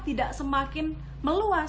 tidak semakin meluas